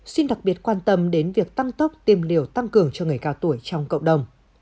xin đặc biệt quan tâm đến việc tăng tốc tiêm liều tăng cường cho người cao tuổi trong cộng đồng